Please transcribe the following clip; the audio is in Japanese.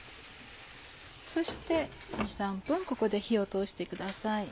そして２３分ここで火を通してください。